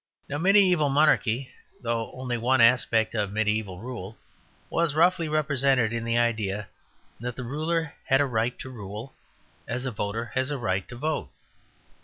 Now mediæval monarchy, though only one aspect of mediæval rule, was roughly represented in the idea that the ruler had a right to rule as a voter has a right to vote.